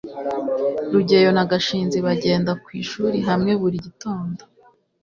rugeyo na gashinzi bagenda ku ishuri hamwe buri gitondo